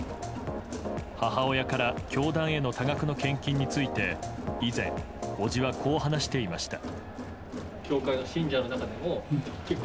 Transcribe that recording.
母親から教団への多額の献金について以前、伯父はこう話していました。